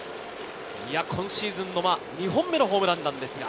今シーズン２本目のホームランです。